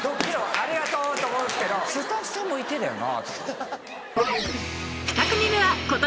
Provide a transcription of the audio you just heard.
ありがとうって思うんですけどスタッフさんもいてだよな。